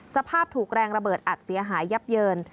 สภาพถูกแรงระเบิดอัดเสียหายยับเยิน